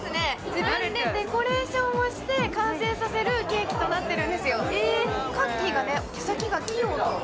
自分でデコレーションをして完成させるケーキとなってるんです